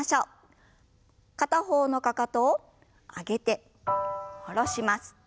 片方のかかとを上げて下ろします。